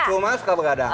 cuma suka bergadang